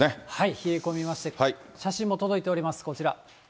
冷え込みまして、写真も届いております、こちら。